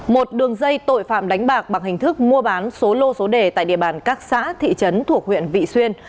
một đường dây tội phạm đánh bạc bằng hình thức mua bán số lô số đề tại địa bàn các xã thị trấn thuộc huyện vị xuyên